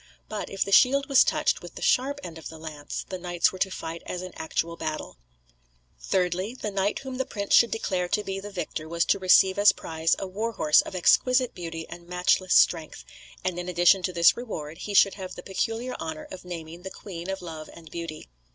But if the shield was touched with the sharp end of the lance, the knights were to fight as in actual battle. Thirdly: The knight whom the prince should declare to be the victor was to receive as prize a war horse of exquisite beauty and matchless strength, and in addition to this reward, he should have the peculiar honour of naming the Queen of Love and Beauty.